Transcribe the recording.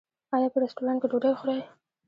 ایا په رستورانت کې ډوډۍ خورئ؟